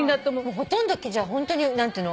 ほとんどじゃホントに何ていうの？